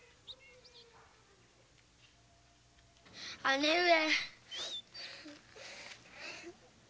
姉上。